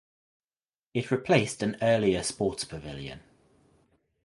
It replaced an earlier sports pavilion.